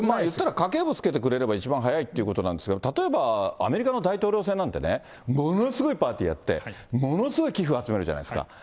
家計簿つけてくれれば、一番早いってことなんですが、例えばアメリカの大統領選なんてね、ものすごいパーティーやって、ものすごい寄付、集めるじゃないですか。